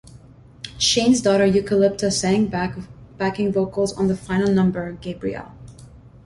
Shanne's daughter Eucalypta sang backing vocals on the final number 'Gabrielle'.